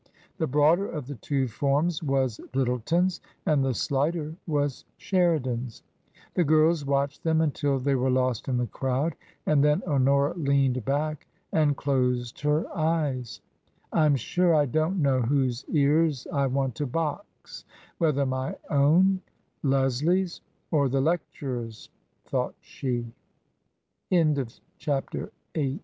The broader of the two forms was Lyttleton's, and the slighter was Sheridan's. The girls watched them until they were lost in the crowd, and then Honora leaned back and closed her eyes. " I'm sure I don't know whose ears I want to box — whether my own, Leslie's, or the lecturer's," thought she. CHAPTER IX.